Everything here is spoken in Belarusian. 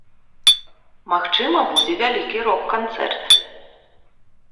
Магчыма, будзе вялікі рок-канцэрт.